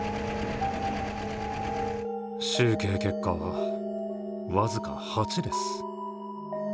集計結果は僅か８です。